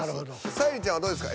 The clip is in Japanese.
沙莉ちゃんはどうですか？